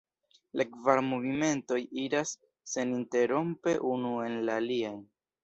La kvar movimentoj iras seninterrompe unu en la alian.